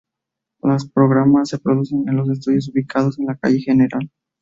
Los programas se producen en los estudios ubicados en calle Gral.